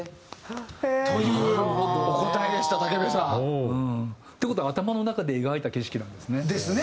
というお答えでした武部さん。って事は頭の中で描いた景色なんですね。ですね。